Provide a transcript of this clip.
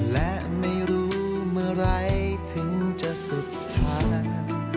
และไม่รู้เมื่อไหร่ถึงจะสุดท้าย